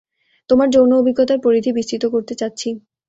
তোমার যৌন অভিজ্ঞতার পরিধি বিস্তৃত করতে চাচ্ছি।